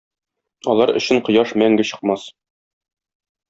Алар өчен кояш мәңге чыкмас